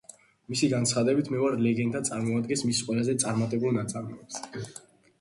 მისი განცხადებით, „მე ვარ ლეგენდა“ წარმოადგენს მის ყველაზე წარმატებულ ნაწარმოებს.